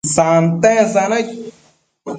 santen sanaid